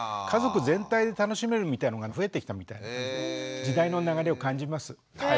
家族全体で楽しめるみたいのが増えてきたみたいな感じで時代の流れを感じます。